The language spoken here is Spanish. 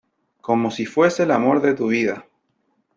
como si fuese el amor de tu vida .